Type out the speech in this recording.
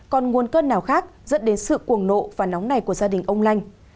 còn nguồn cơn nào khác dẫn đến sự cuồng nộ và nóng này của gia đình ông lanh